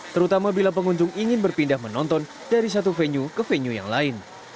terutama bila pengunjung ingin berpindah menonton dari satu venue ke venue yang lain